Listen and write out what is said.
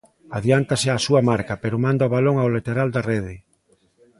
Adiantase á súa marca pero manda o balón ao lateral da rede.